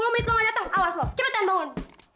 sepuluh menit lo ga dateng awas lo cepetan bangun